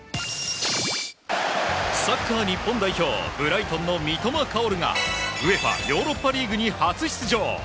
サッカー日本代表、ブライトンの三笘薫が、ＵＥＦＡヨーロッパリーグに初出場。